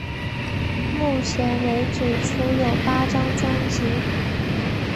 目前为止出有八张专辑。